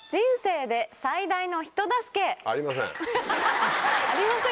何よ？ありません。